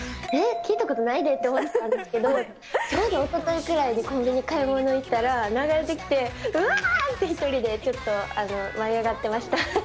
聴いたことないでって思ってたんですけど、ちょうどおとといくらいにコンビニに買い物に行ったら流れてきて、うわーって１人でちょっと舞い上がってました。